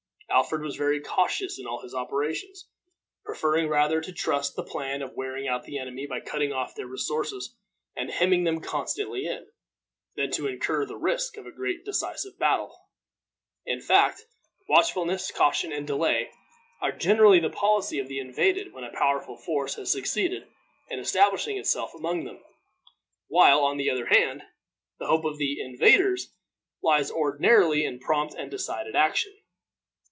Alfred was very cautious in all his operations, preferring rather to trust to the plan of wearing out the enemy by cutting off their resources and hemming them constantly in, than to incur the risk of great decisive battles. In fact, watchfulness, caution, and delay are generally the policy of the invaded when a powerful force has succeeded in establishing itself among them; while, on the other hand, the hope of invaders lies ordinarily in prompt and decided action.